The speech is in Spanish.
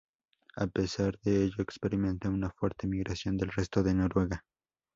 A pesar de ello, experimenta una fuerte migración del resto de Noruega.